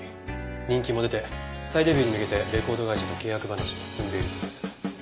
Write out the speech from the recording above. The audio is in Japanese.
人気も出て再デビューに向けてレコード会社と契約話も進んでいるそうです。